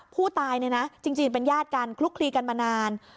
ผู้ตายจริงเป็นญาติการคลุกคลีกันมานาน